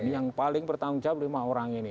yang paling bertanggung jawab lima orang ini